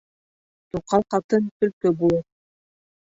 Туҡал ҡатын төлкө булыр